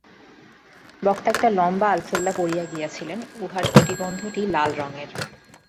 বক্তা একটি লম্বা আলখাল্লা পরিয়া গিয়াছিলেন উহার কটিবন্ধটি লাল রঙের।